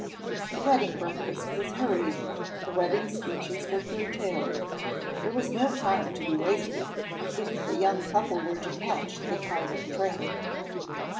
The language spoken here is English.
The wedding breakfast was hurried; the wedding speeches were curtailed: there was no time to be wasted, if the young couple were to catch the tidal train.